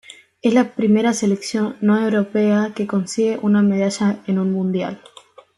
Es la primera selección no europea que consigue una medalla en un Mundial.